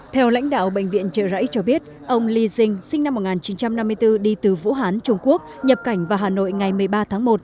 theo lãnh đạo bệnh viện trợ rẫy cho biết ông li jing sinh năm một nghìn chín trăm năm mươi bốn đi từ vũ hán trung quốc nhập cảnh vào hà nội ngày một mươi ba tháng một